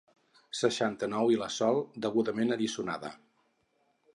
Seixanta-nou i la Sol, degudament alliçonada.